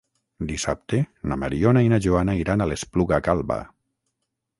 Dissabte na Mariona i na Joana iran a l'Espluga Calba.